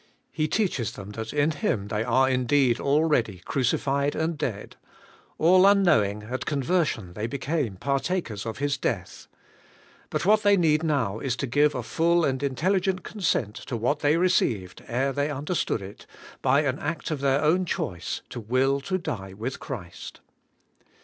He teaches them that in Him they are indeed already crucified and dead — all unknowing, at con version they became partakers of His death. But what they need now is to give a full and intelligent consent to what they received ere they understood it, by an act of their own choice to will to die with Christ.